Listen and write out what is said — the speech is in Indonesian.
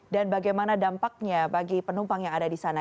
dan bagaimana dampaknya bagi penumpang yang ada di sana